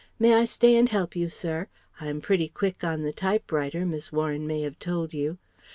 May I stay and help you, Sir? I'm pretty quick on the typewriter, Miss Warren may have told you